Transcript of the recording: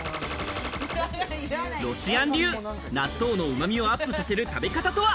ロシアン流、納豆の旨味をアップさせる食べ方とは？